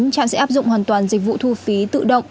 trạm sẽ áp dụng hoàn toàn dịch vụ thu phí tự động